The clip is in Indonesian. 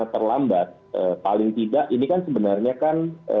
terlambat paling tidak ini kan sebenarnya kan